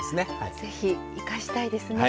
ぜひ生かしたいですね。